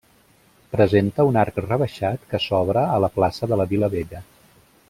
Presenta un arc rebaixat que s'obre a la plaça de la Vila-Vella.